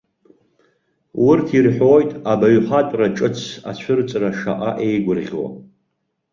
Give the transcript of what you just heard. Урҭ ирҳәоит абаҩхатәра ҿыц ацәырҵра шаҟа еигәырӷьо.